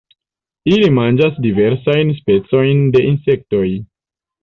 Ili manĝas diversajn specojn de insektoj.